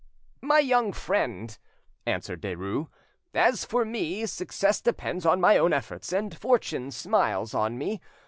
"My young friend," answered Derues, "as for me, success depends on my own efforts, and fortune smiles on me.